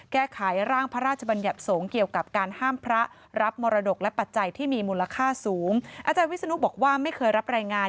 แก้ไขร่ร่างพระราชบัญญัติสงศ์เกี่ยวกับการห้ามพระรับมรดกและปัจจัยที่มีมูลค่าสูง